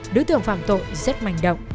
đối tượng phạm tội rất mạnh động